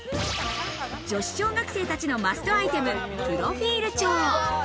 女子小学生たちのマストアイテム、プロフィール帳。